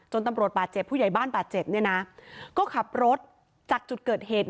ตำรวจบาดเจ็บผู้ใหญ่บ้านบาดเจ็บเนี่ยนะก็ขับรถจากจุดเกิดเหตุ